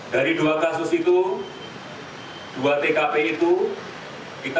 dari dua kasus itu dua tkp itu kita sudah menetapkan tiga tersangka